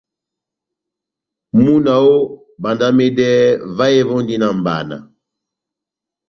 Múna oooh, bandamedɛhɛ, vahe vondi na mʼbana.